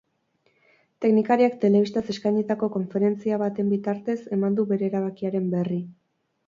Teknikariak telebistaz eskainitako konferentzia baten bitartez eman du bere erabakiaren berri.